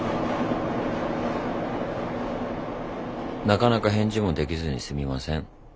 なかなか返事もできずにすみません。